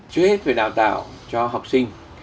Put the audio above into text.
chứ hết phải đào tạo cho học sinh